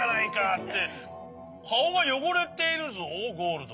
ってかおがよごれているぞゴールド。